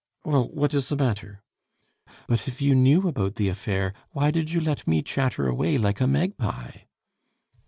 "Well, what is the matter?" "But if you knew about the affair, why did you let me chatter away like a magpie?"